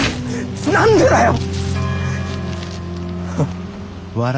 何でだよ！